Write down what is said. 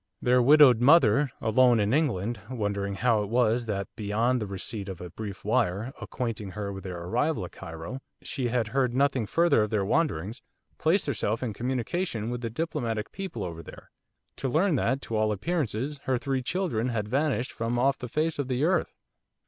Their widowed mother, alone in England, wondering how it was that beyond the receipt of a brief wire, acquainting her with their arrival at Cairo, she had heard nothing further of their wanderings, placed herself in communication with the diplomatic people over there, to learn that, to all appearances, her three children had vanished from off the face of the earth.